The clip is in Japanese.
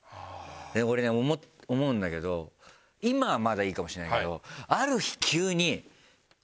俺ね思うんだけど今はまだいいかもしれないけどある日急に。